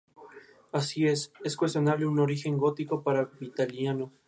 Así, es cuestionable un origen gótico para Vitaliano.